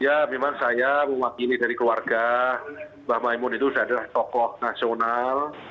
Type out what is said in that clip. ya memang saya mewakili dari keluarga mbak maimun itu sudah adalah tokoh nasional